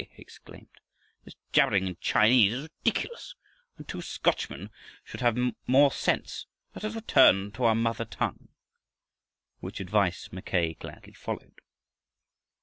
he exclaimed, "this jabbering in Chinese is ridiculous, and two Scotchmen should have more sense; let us return to our mother tongue." Which advice Mackay gladly followed.